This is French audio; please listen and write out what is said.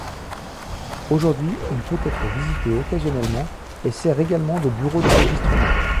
Aujourd'hui, il peut être visité occasionnellement et sert également de bureau d'enregistrement.